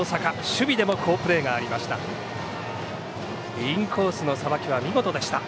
守備でも好プレーがありました。